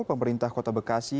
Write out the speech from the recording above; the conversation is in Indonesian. pemerintah kota bekasi